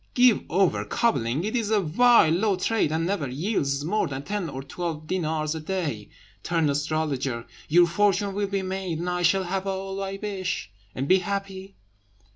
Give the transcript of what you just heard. "Give over cobbling; it is a vile, low trade, and never yields more than ten or twelve dinars a day. Turn astrologer! your fortune will be made, and I shall have all I wish, and be happy."